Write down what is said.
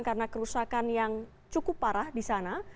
karena kerusakan yang cukup parah di sana